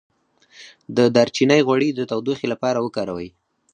د دارچینی غوړي د تودوخې لپاره وکاروئ